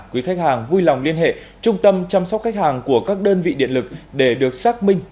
quý khách hàng vui lòng liên hệ trung tâm chăm sóc khách hàng của các đơn vị điện lực để được xác minh